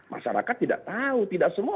masyarakat tidak tahu tidak semua